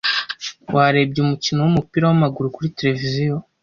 Warebye umukino wumupira wamaguru kuri tereviziyo?